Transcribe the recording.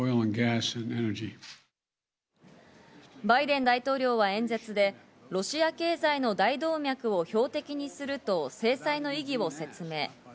バイデン大統領は演説でロシア経済の大動脈を標的にすると制裁の意義を説明。